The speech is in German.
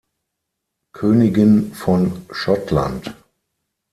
Königin von Schottland.